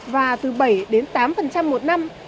và từ bảy đến tám một năm